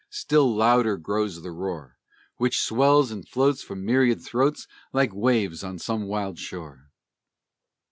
Still louder grows the roar Which swells and floats from myriad throats Like waves on some wild shore.